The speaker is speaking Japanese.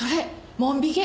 モン・ビケ。